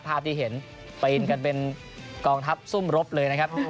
ภาพที่เห็นปีนกันเป็นกองทัพซุ่มรบเลยนะครับ